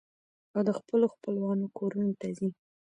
او د خپلو خپلوانو کورنو ته ځي.